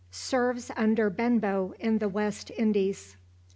SERVES UNDER BENBOW IN THE WEST INDIES.